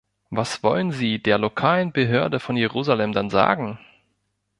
Was wollen Sie der lokalen Behörde von Jerusalem dann sagen?